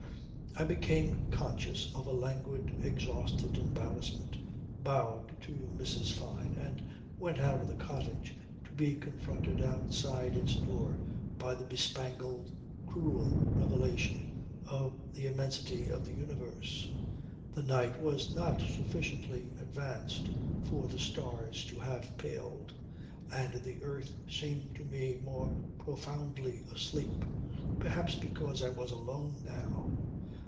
I became conscious of a languid, exhausted embarrassment, bowed to Mrs. Fyne, and went out of the cottage to be confronted outside its door by the bespangled, cruel revelation of the Immensity of the Universe. The night was not sufficiently advanced for the stars to have paled; and the earth seemed to me more profoundly asleep perhaps because I was alone now.